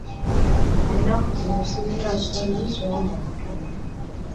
Ennaku zino sirina nsonyi z'omu bantu.